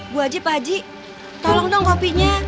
bu haji pak haji tolong dong kopinya